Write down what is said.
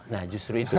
nah justru itu